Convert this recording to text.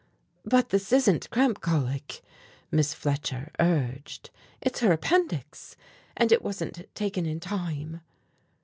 "But this isn't cramp colic," Miss Fletcher urged, "it's her appendix, and it wasn't taken in time."